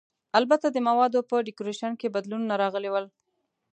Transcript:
البته د موادو په ډیکورېشن کې بدلونونه راغلي ول.